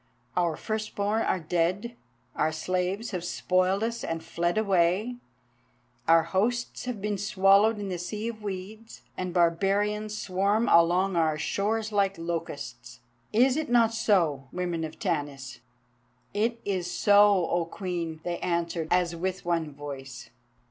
Our first born are dead, our slaves have spoiled us and fled away, our hosts have been swallowed in the Sea of Weeds, and barbarians swarm along our shores like locusts. Is it not so, women of Tanis?" "It is so, O Queen," they answered, as with one voice.